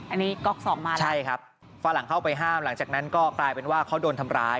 อันนี้ก๊อกสองมันใช่ครับฝรั่งเข้าไปห้ามหลังจากนั้นก็กลายเป็นว่าเขาโดนทำร้าย